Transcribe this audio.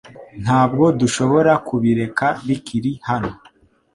Ntabwo dushobora kubireka bikiri hano .